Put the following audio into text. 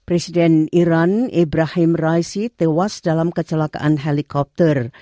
presiden iran ibrahim raishi tewas dalam kecelakaan helikopter